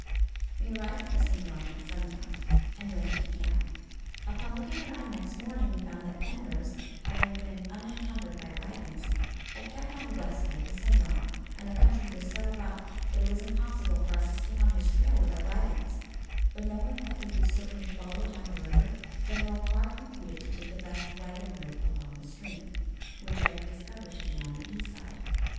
We arrived at the Cimarron at sundown, and went into camp. Upon looking around next morning, we found that Penrose, having been unencumbered by wagons, had kept on the west side of the Cimarron, and the country was so rough that it was impossible for us to stay on his trail with our wagons; but knowing that we would certainly follow down the river, General Carr concluded to take the best wagon route along the stream, which I discovered to be on the east side.